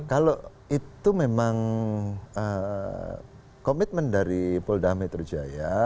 kalau itu memang komitmen dari polda metruja